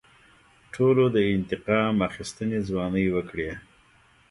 ټولو د انتقام اخیستنې ځوانۍ وکړې.